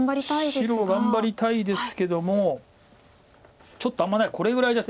白頑張りたいですけどもちょっとあんまねこれぐらいじゃ。